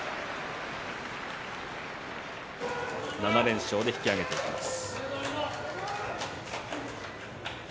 ７連勝で引き揚げていきます。